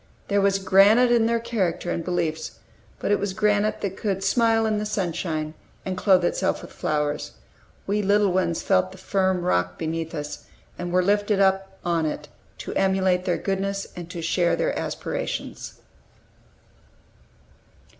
There was granite in their character and beliefs, but it was granite that could smile in the sunshine and clothe itself with flowers. We little ones felt the firm rock beneath us, and were lifted up on it, to emulate their goodness, and to share their aspirations.